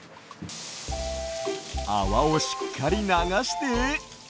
あわをしっかりながして。